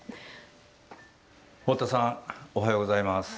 堀田さんおはようございます。